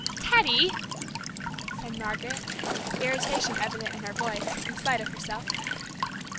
"Teddy!" said Margaret, irritation evident in her voice, in spite of herself.